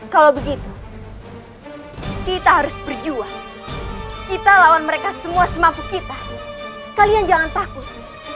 kalau begitu kita harus berjuang kita lawan mereka semua semampu kita kalian jangan takut